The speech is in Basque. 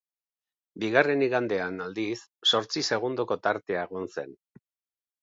Bigarren igandean aldiz zortzi segundoko tartea egon zen.